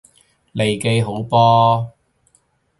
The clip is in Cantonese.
利記好波！